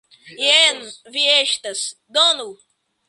Jen vi estas; donu!